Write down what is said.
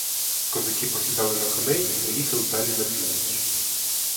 Козаки посідали на коней і поїхали далі на північ.